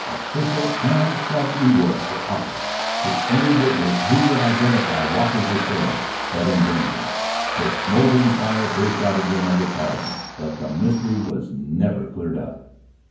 Official and private rewards were offered to any witnesses who would identify Walker's assailants. But in vain. The smouldering fire burst out again under Carleton. But the mystery was never cleared up.